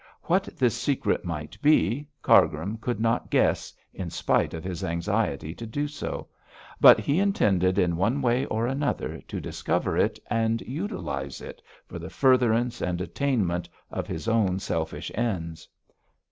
What this secret might be, Cargrim could not guess, in spite of his anxiety to do so, but he intended in one way or another to discover it and utilise it for the furtherance and attainment of his own selfish ends.